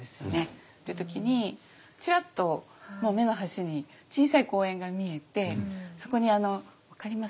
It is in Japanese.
いう時にチラッと目の端に小さい公園が見えてそこにあの分かります？